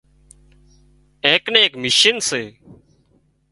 اين ڪنين ايڪ مشين سي